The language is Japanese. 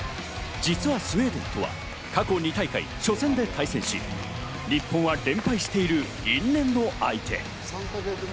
実はスウェーデンとは過去２大会初戦で対戦し、日本は連敗している因縁の相手。